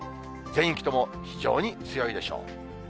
全域とも非常に強いでしょう。